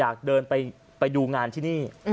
อยากเดินไปดูงานที่นี่